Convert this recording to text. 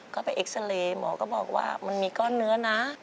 ก็ไปเอ็กซาเรย์หมอก็บอกว่ามันมีก้อนเนื้อนะ